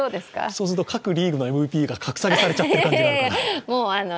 そうすると各リーグのＭＶＰが格下げされちゃっているような。